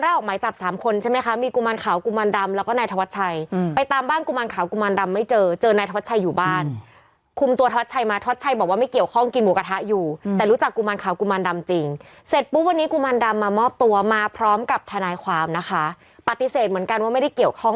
ออกหมายจับสามคนใช่ไหมคะมีกุมารขาวกุมารดำแล้วก็นายธวัชชัยไปตามบ้านกุมารขาวกุมารดำไม่เจอเจอนายธวัชชัยอยู่บ้านคุมตัวท็อตชัยมาท็อตชัยบอกว่าไม่เกี่ยวข้องกินหมูกระทะอยู่แต่รู้จักกุมารขาวกุมารดำจริงเสร็จปุ๊บวันนี้กุมารดำมามอบตัวมาพร้อมกับทนายความนะคะปฏิเสธเหมือนกันว่าไม่ได้เกี่ยวข้อง